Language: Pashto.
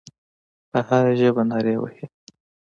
په هره ژبه نارې وهي.